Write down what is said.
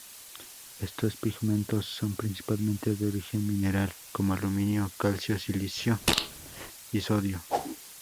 Estos pigmentos son principalmente de origen mineral, como aluminio, calcio silicio y sodio.